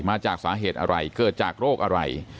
มาจากสาเหตุอะไรเกิดจากโรคอะไร